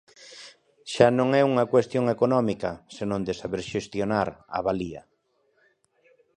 Xa non é unha cuestión económica, senón de saber xestionar, avalía.